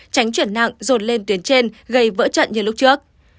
tránh chuyển nặng rột lên tuyến trên gây vỡ chặn như lúc trước